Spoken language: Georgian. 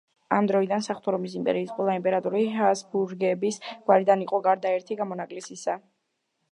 ამ დროიდან საღვთო რომის იმპერიის ყველა იმპერატორი ჰაბსბურგების გვარიდან იყო, გარდა ერთი გამონაკლისისა.